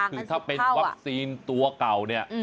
คือถ้าเป็นวัคซีนตัวเก่าเนี่ย